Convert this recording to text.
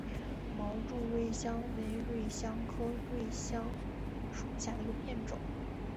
毛柱瑞香为瑞香科瑞香属下的一个变种。